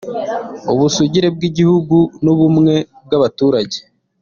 ubusugire bw’igihugu n’ubumwe bw’abaturage